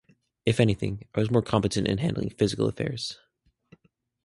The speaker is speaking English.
If anything, I was more competent in handling physical affairs.